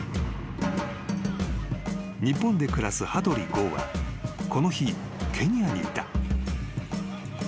［日本で暮らす羽鳥豪はこの日ケニアにいた］